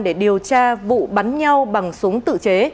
để điều tra vụ bắn nhau bằng súng tự chế